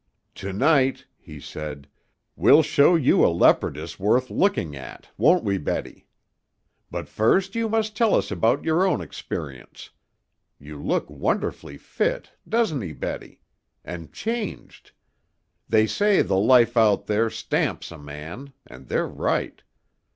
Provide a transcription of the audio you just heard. "To night," he said, "we'll show you a leopardess worth looking at, won't we, Betty? But first you must tell us about your own experience. You look wonderfully fit, doesn't he, Betty? And changed. They say the life out there stamps a man, and they're right.